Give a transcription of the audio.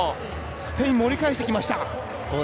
スペイン盛り返してきました。